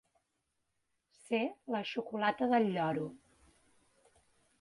Ser la xocolata del lloro